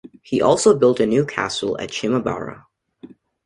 He also built a new castle at Shimabara.